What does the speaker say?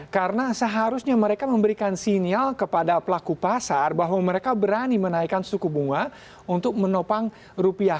karena seharusnya mereka memberikan sinyal kepada pelaku pasar bahwa mereka berani menaikkan suku bunga untuk menopang rupiah